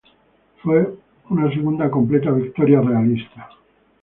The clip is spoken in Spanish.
Fue una segunda completa victoria realista.